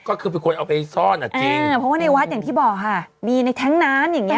ก็คือเป็นคนเอาไปซ่อนก่อนจริง